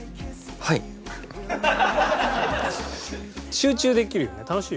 集中できるよね楽しいよね。